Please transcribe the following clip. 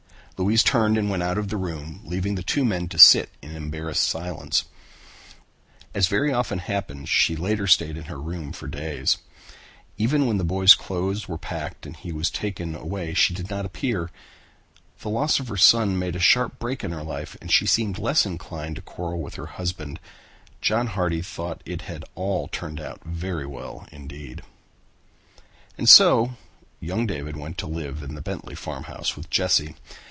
Louise turned and went out of the room, leaving the two men to sit in embarrassed silence. As very often happened she later stayed in her room for days. Even when the boy's clothes were packed and he was taken away she did not appear. The loss of her son made a sharp break in her life and she seemed less inclined to quarrel with her husband. John Hardy thought it had all turned out very well indeed. And so young David went to live in the Bentley farmhouse with Jesse.